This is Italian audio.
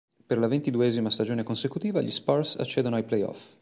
Per la ventiduesima stagione consecutiva gli Spurs accedono ai playoff.